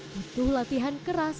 butuh latihan keras